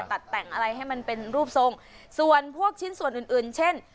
ตัดแต่งอะไรให้มันเป็นรูปทรงส่วนพวกชิ้นส่วนอื่นอื่นเช่น